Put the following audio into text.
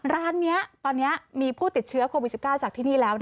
ร้านนี้ตอนนี้มีผู้ติดเชื้อโควิด๑๙จากที่นี่แล้ว